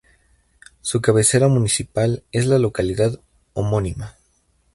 Su cabecera municipal es la localidad homónima.